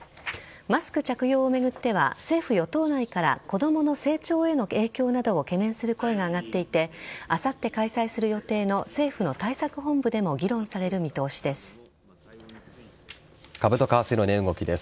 マスク着用を巡っては政府・与党内から子供の成長への影響などを懸念する声が上がっていてあさって開催する予定の政府の対策本部でも株と為替の値動きです。